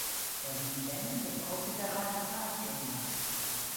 Hja wie in bern dat altyd har eigen paad gean moast.